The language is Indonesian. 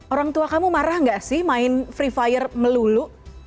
orang tua kamu marah nggak sih main free fire melulu